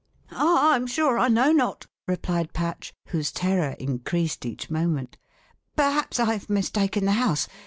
"I am sure I know not," replied Patch, whose terror increased each moment. "Perhaps I have mistaken the house.